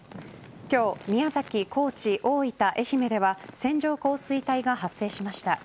今日宮崎、高知、大分、愛媛では線状降水帯が発生しました。